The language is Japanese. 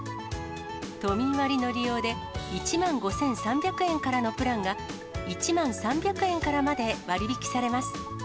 都民割の利用で、１万５３００円からのプランが、１万３００円からまで割引されます。